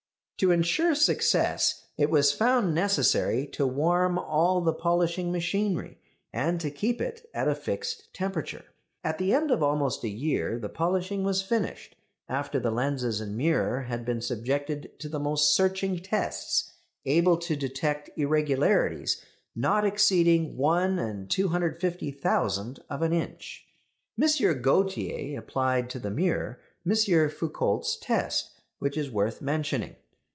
To insure success it was found necessary to warm all the polishing machinery, and to keep it at a fixed temperature. At the end of almost a year the polishing was finished, after the lenses and mirror had been subjected to the most searching tests, able to detect irregularities not exceeding 1 250,000 of an inch. M. Gautier applied to the mirror M. Foucault's test, which is worth mentioning.